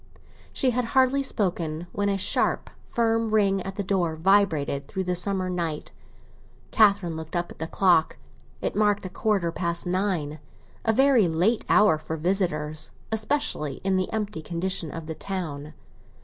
She had hardly spoken when a sharp, firm ring at the door vibrated through the summer night. Catherine looked up at the clock; it marked a quarter past nine—a very late hour for visitors, especially in the empty condition of the town.